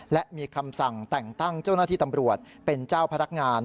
และมีคำสั่งแต่งตั้งเจ้าหน้าที่ตำรวจเป็นเจ้าพนักงาน